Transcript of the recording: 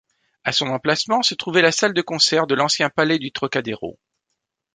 À son emplacement, se trouvait la salle de concert de l'ancien palais du Trocadéro.